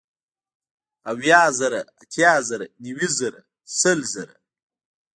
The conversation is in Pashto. اويه زره ، اتيا زره نوي زره سل زره